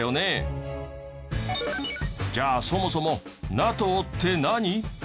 じゃあそもそもＮＡＴＯって何？